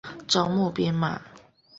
招募兵马。